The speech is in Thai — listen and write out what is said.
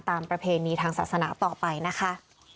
ประเพณีทางศาสนาต่อไปนะคะ